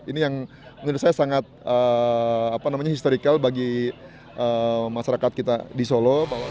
ini yang menurut saya sangat historical bagi masyarakat kita di solo